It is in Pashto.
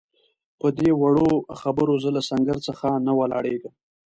پدې وړو خبرو زه له سنګر څخه نه ولاړېږم.